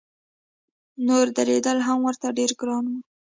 نور درېدل هم ورته ډېر ګران و.